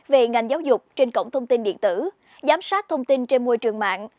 về ngành giáo dục trên cổng thông tin điện tử giám sát thông tin trên môi trường mạng